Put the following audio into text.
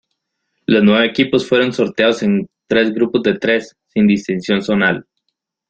Los nueve equipos fueron sorteados en tres grupos de tres, sin distinción zonal.